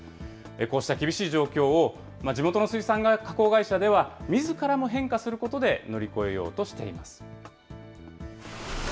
こうした厳しい状況を、地元の水産加工会社では、みずからも変化することで乗り越えようとしています。